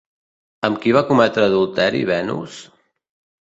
Amb qui va cometre adulteri Venus?